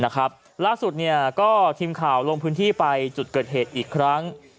ล่าสุดก็ทีมข่าวลงพื้นที่ไปจุดเกิดเหตุอีกครั้ง